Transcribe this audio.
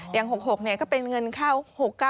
อย่าง๖๖ก็เป็นเงินเงินเหรอ